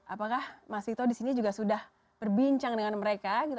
apakah mas tito disini juga sudah berbincang dengan mereka gitu